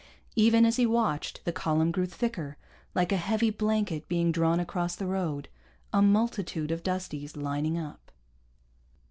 Even as he watched, the column grew thicker, like a heavy blanket being drawn across the road, a multitude of Dusties lining up.